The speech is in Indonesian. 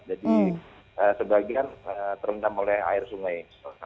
jadi sebagian terendam oleh air sungai